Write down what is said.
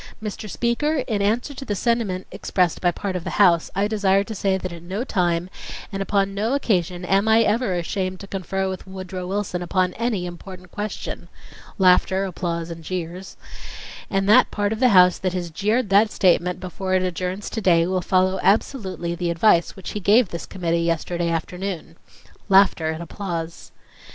Mr. Speaker, in answer to the sentiment expressed by part of the House, I desire to say that at no time and upon no occasion am I ever ashamed to confer with Woodrow Wilson upon any important question (laughter, applause, and, jeers) and that part of the House that has jeered that statement before it adjourns to day will follow absolutely the advice which he gave this committee yesterday afternoon. (Laughter and applause.)